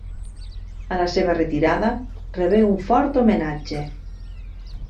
A la seva retirada rebé un fort homenatge.